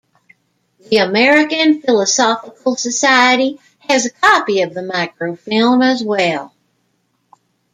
The American Philosophical Society has a copy of the microfilm as well.